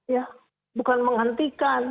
ya bukan menghentikan